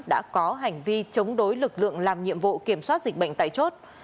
đã có hành vi chống đối lực lượng làm nhiệm vụ kiểm soát dịch bệnh tại chốt